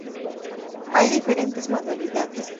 Hay diferentes modalidades.